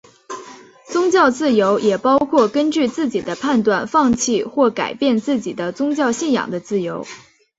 宗教自由也包括根据自己的判断放弃或改变自己的宗教信仰的自由。